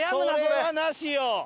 それはなしよ！